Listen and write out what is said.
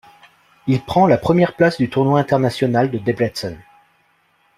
Il prend la première place du tournoi international de Debrecen.